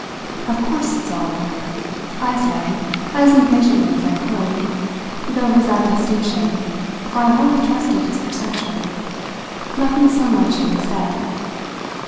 "Of course it's all in her," I said as impatiently as I could, though his attestation for I wholly trusted his perception left me so much in his debt.